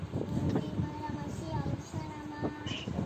鳞轴短肠蕨为蹄盖蕨科短肠蕨属下的一个种。